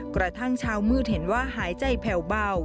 กระทั่งเช้ามืดเห็นว่าหายใจแผ่วเบา